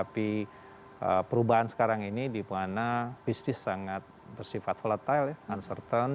perubahan sekarang ini di mana bisnis sangat bersifat volatile uncertain